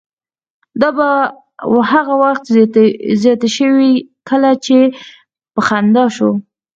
دا به هغه وخت زیاتې شوې کله به چې په خندا شو.